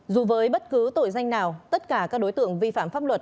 dù với bất cứ tội danh nào tất cả các đối tượng vi phạm pháp luật